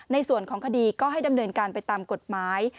ในส่วนของคดีก็ให้ดำเนินการไปตามกฎหมาย